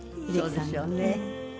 そうですよね。